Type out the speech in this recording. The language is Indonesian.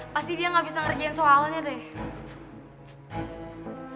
pasti dia nggak bisa ngerjain soalnya deh